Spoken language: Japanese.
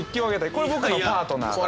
これ僕のパートナーが。